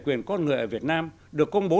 quyền con người ở việt nam được công bố